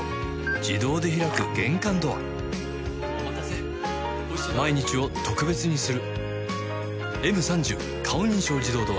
自動で開く玄関ドアお待たせ毎日を特別にする